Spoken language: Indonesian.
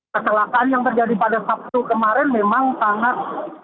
kecelakaan yang terjadi pada sabtu kemarin memang sangat